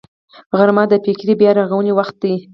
غرمه د فکري بیا رغونې وخت دی